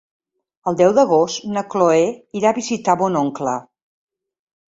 El deu d'agost na Chloé irà a visitar mon oncle.